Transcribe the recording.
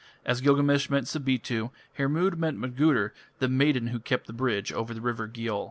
As Gilgamesh met Sabitu, Hermod met Modgudur, "the maiden who kept the bridge" over the river Gjõll.